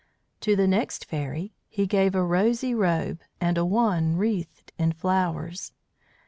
To the next fairy he gave a rosy robe and a wand wreathed in flowers.